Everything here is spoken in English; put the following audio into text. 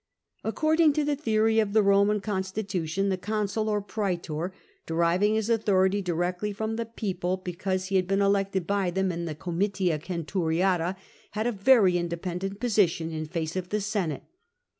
According to the theory of the Eoman constitution, the consul or praetor, deriving his authority directly from the people because he had been elected by them in the Comitia Centuriata, had a very independent position in face of the Senate.